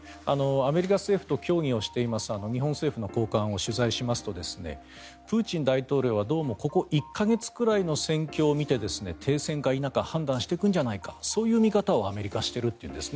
アメリカ政府と協議をしています日本政府の高官を取材しますとプーチン大統領はどうもここ１か月くらいの戦況を見て停戦か否か判断してくんじゃないかそういう見方をアメリカはしているというんです。